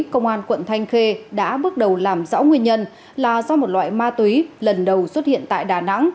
công an quận thanh khê đã bước đầu làm rõ nguyên nhân là do một loại ma túy lần đầu xuất hiện tại đà nẵng